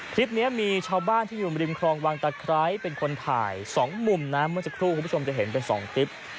คลิปนี้มีชาวบ้านที่อยู่ริมครองวังตะไคร้เป็นคนถ่าย๒มุมนะเมื่อสักครู่คุณผู้ชมจะเห็นเป็น๒คลิป